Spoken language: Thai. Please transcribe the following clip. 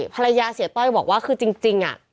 ภรรยาเสียต้อยบอกว่าคือจริง